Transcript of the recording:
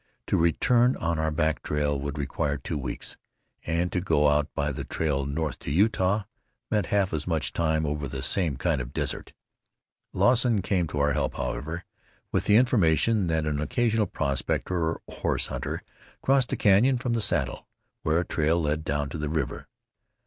To return on our back trail would require two weeks, and to go out by the trail north to Utah meant half as much time over the same kind of desert. Lawson came to our help, however, with the information that an occasional prospector or horse hunter crossed the canyon from the Saddle, where a trail led down to the river.